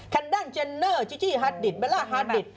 แบลนดันเจนเนอร์จิจิฮาดดิตแบลล่าฮาดดิต